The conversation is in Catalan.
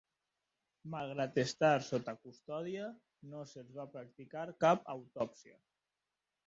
Malgrat estar sota custòdia, no se'ls va practicar cap autòpsia.